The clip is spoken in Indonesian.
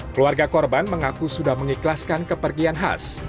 keluarga korban mengaku sudah mengikhlaskan kepergian has